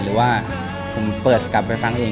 หรือว่าผมเปิดกลับไปฟังเอง